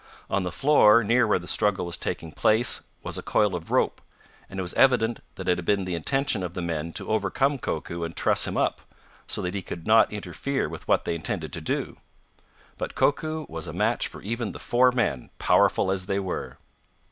On the floor near where the struggle was taking place was a coil of rope, and it was evident that it had been the intention of the men to overcome Koku and truss him up, so that he would not interfere with what they intended to do. But Koku was a match for even the four men, powerful as they were.